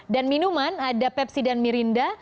dan minuman ada pepsi dan mirinda